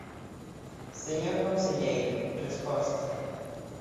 Señor conselleiro, resposta.